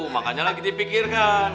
makanya lagi dipikirkan